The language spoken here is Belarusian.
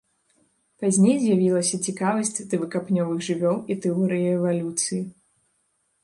Пазней з'явілася цікавасць да выкапнёвых жывёл і тэорыі эвалюцыі.